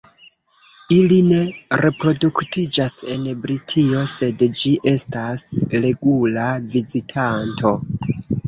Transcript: Ili ne reproduktiĝas en Britio, sed ĝi estas regula vizitanto.